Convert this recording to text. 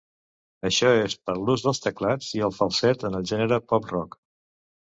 Això és per l'ús dels teclats i el falset en el gènere pop rock.